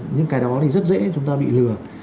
những cái đó thì rất dễ chúng ta bị lừa